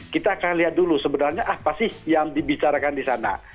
kita akan lihat dulu sebenarnya apa sih yang dibicarakan di sana